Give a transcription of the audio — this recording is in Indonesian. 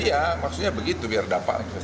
iya maksudnya begitu biar dapat